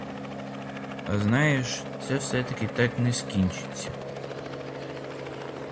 А знаєш, це все-таки так не скінчиться.